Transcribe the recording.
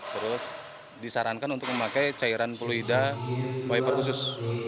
terus disarankan untuk memakai cairan pluida wiper khusus